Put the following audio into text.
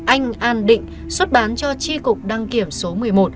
anh an định xuất bán cho tri cục đăng kiểm số một mươi một